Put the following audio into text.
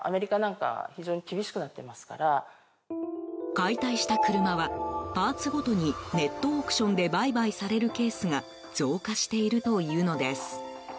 解体した車はパーツごとにネットオークションで売買されるケースが増加しているというのです。